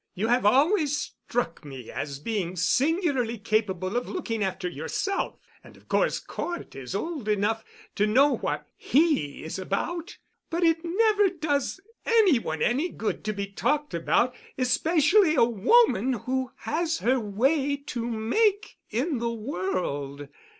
You have always struck me as being singularly capable of looking after yourself—and of course Cort is old enough to know what he is about. But it never does any one any good to be talked about—especially a woman who has her way to make in the world.